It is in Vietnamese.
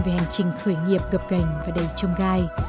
về hành trình khởi nghiệp gập gành và đầy trông gai